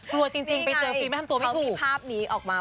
หัวจริงไปเจอฟิล์มแล้วทำตัวไม่ถูกนี่ไงเขาพิภาพนี้ออกมา